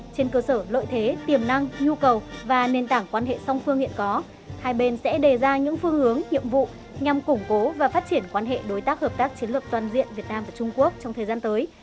trên cơ sở lợi thế tiềm năng nhu cầu và nền tảng quan hệ song phương hiện có hai bên sẽ đề ra những phương hướng nhiệm vụ nhằm củng cố và phát triển quan hệ đối tác hợp tác chiến lược toàn diện việt nam và trung quốc trong thời gian tới